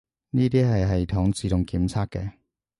呢啲係系統自動檢測嘅